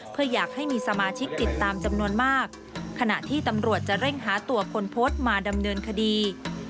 เพื่ออยากให้มีสมาชิกติดตามจำนวนมากขณะที่ตำรวจจะเร่งหาตัวคนโพสต์มาดำเนินคดี